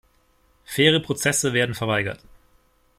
Faire Prozesse werden verweigert.